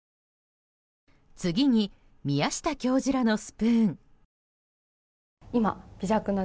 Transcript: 次に宮下教授らのスプーン。